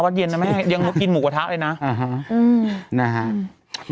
วัดเย็นนรึไม่ให้ยังกินหมูก็ท๊ะเลยนะอ่าฮะอืม